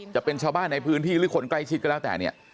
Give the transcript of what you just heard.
จะเป็นชาวบ้านในพื้นที่หรือคนใกล้ชิดก็แล้วแต่เนี่ย